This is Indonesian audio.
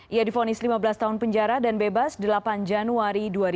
ia difonis lima belas tahun penjara dan bebas delapan januari dua ribu dua puluh